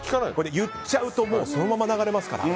言っちゃうとこのまま流れますから。